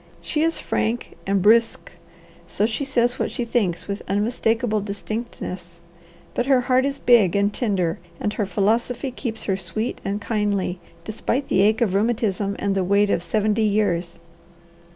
She is frank and brusque, so she says what she thinks with unmistakable distinctness, but her heart is big and tender and her philosophy keeps her sweet and kindly despite the ache of rheumatism and the weight of seventy years."